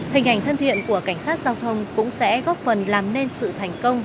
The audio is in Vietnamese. hình ảnh thân thiện của cảnh sát giao thông cũng sẽ góp phần làm nên sự thành công